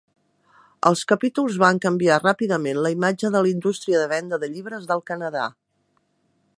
Els capítols van canviar ràpidament la imatge de la indústria de venda de llibres del Canadà.